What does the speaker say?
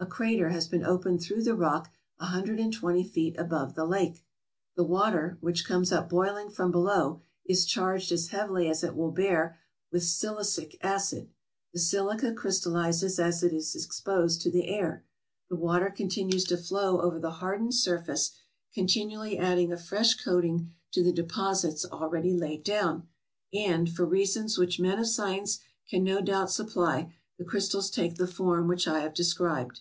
A crater has been opened through the rock a hundred and twenty feet above the lake. The water, which comes up boiling from below, is charged as heavily as it will bear with silicic acid. The silica crys tallizes as it is exposed to the air. The water continues to flow over the hardened surface, continually adding a fresh coating to the deposits already laid down, and, for reasons which men of science can no doubt supply, the crystals take the form which I have described.